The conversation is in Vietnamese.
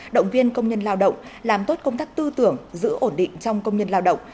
động viên công nhân lao động làm tốt công tác tư tưởng giữ ổn định trong công nhân lao động